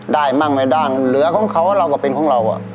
มั่งไม่ได้เหลือของเขาเราก็เป็นของเรา